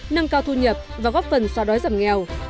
nâng cao thu nhập và góp phần xóa đói giảm nghèo